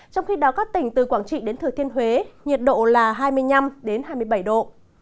trong khi đó các tỉnh từ quảng trị đến thừa thiên huế nhiệt độ là hai mươi năm hai mươi bảy độ